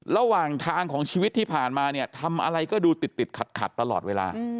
ระหว่างทางของชีวิตที่ผ่านมาเนี่ยทำอะไรก็ดูติดขัดตลอดเวลา